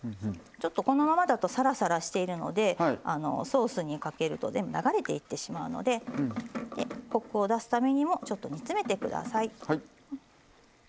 このままだとさらさらしているのでソースにかけると全部流れていってしまうのでコクを出すためにもちょっと煮詰めてください。